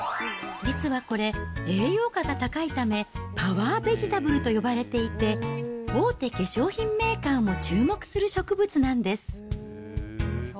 実はこれ、栄養価が高いため、パワーベジタブルと呼ばれていて、大手化粧品メーカーも注目する植物なんです。